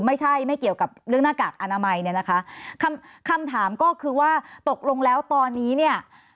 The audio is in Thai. ไม่ใช่ไม่เกี่ยวกับเรื่องหน้ากากอนามัยเนี่ยนะคะคำคำถามก็คือว่าตกลงแล้วตอนนี้เนี่ย